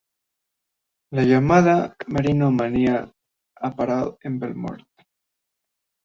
La llamada 'merino manía' atrapó a Vermont.